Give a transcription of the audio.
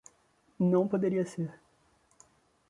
Não poderia ser